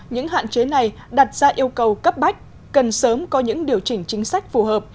những hạn chế này đặt ra yêu cầu cấp bách cần sớm có những điều chỉnh chính sách phù hợp